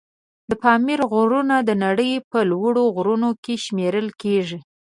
د پامیر غرونه د نړۍ په لوړ غرونو کې شمېرل کېږي.